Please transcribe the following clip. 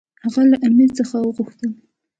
هغه له امیر څخه وغوښتل.